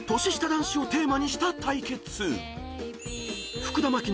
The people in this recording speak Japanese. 男子をテーマにした対決］